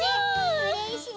うれしい！